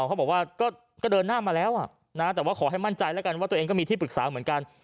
เขาบอกว่าก็เดินหน้ามาแล้วแต่ว่าขอให้มั่นใจแล้วกันว่าตัวเองก็มีที่ปรึกษาเหมือนกัน